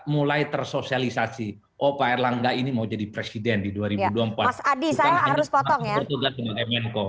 mulai tersosialisasi oh pak erlangga ini mau jadi presiden di dua ribu dua puluh empat mas adi saya harus potong ya